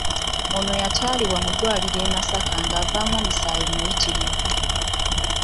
Ono yatwalibwa mu ddwaliro ekkulu e Masaka ng'avaamu omusaayi muyitirivu.